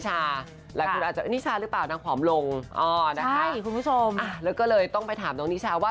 แต่ว่ากลัวแฟนคลับรับไม่ได้ก็แอบคุยวิดีโอขอตลอดคือ